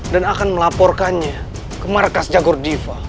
dan akan melaporkannya ke markas jagodiva